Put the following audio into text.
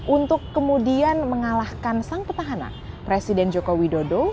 untuk kemudian mengalahkan sang petahana presiden joko widodo